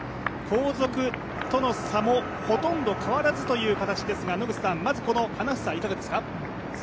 後続との差もほとんど変わらずという形ですがまずこの花房いかがですか？